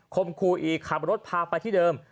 คมคู่อีกขับรถพาไปที่เดิม